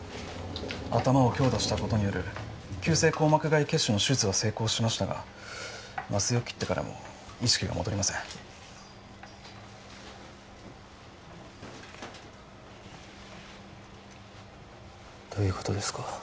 頭を強打したことによる急性硬膜外血腫の手術は成功しましたが麻酔を切ってからも意識が戻りませんどういうことですか？